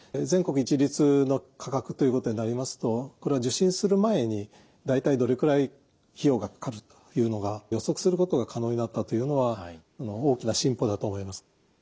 全国一律の価格ということになりますとこれは受診する前に大体どれくらい費用がかかるというのが予測することが可能になったというのは大きな進歩だと思います。